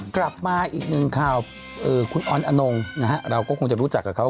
กลับมาอีกหนึ่งข่าวคุณออนอนงเราก็คงจะรู้จักกับเขา